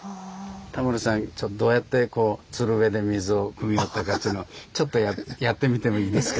タモリさんどうやってつるべで水をくみよったかっちゅうのをちょっとやってみてもいいですか。